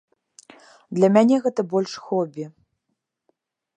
Для мяне гэта больш хобі.